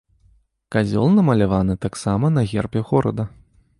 Казёл намаляваны таксама на гербе горада.